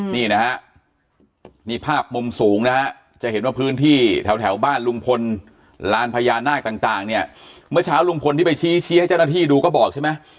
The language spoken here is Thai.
นี่นะฮะนี่ภาพมุมสูงนะฮะจะเห็นว่าพื้นที่แถวบ้านลุงพลลานพญานาคต่างเนี่ยเมื่อเช้าลุงพลที่ไปชี้ให้เจ้าหน้าที่ดูก็บอกใช่ไหม